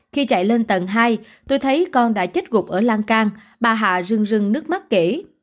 khi chạy lên tầng hai tôi thấy con đã chết gục ở lan can bà hạ rừng rưng nước mắt kể